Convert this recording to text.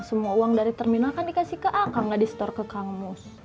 semua uang dari terminal kan dikasih ke akang gak di store ke kangmus